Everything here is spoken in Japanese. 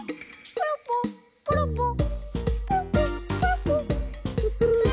ポロポロポロポロ。